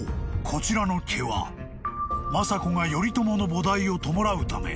こちらの毛は政子が頼朝の菩提を弔うため］